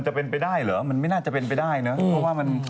คุณอะไรนะชื่อคุณอะไรน่ะ